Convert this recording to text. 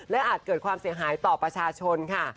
และอาจเกิดความเสียหายต่อประชาชนค่ะ